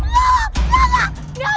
loh gak gak